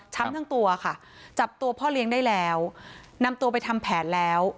ทั้งทั้งตัวค่ะจับตัวพ่อเลี้ยงได้แล้วนำตัวไปทำแผนแล้ว